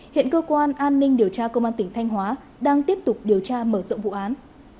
hiện cơ quan an ninh điều tra công an tỉnh thanh hóa đang tiếp tục điều tra mở rộng vụ án